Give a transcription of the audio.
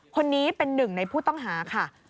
คนนี้เป็นหนึ่งในผู้ต้องหาค่ะ